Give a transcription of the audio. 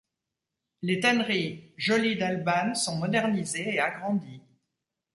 Les tanneries Jolly-Dalbanne sont modernisées et agrandies.